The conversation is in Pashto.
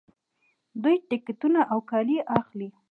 دوی ټکټونه او کالي اخلي.